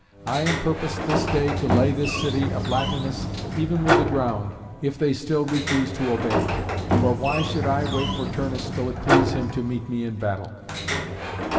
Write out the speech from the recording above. I am purposed this day to lay this city of Latinus even with the ground, if they still refuse to obey. For why should I wait for Turnus till it please him to meet me in battle?"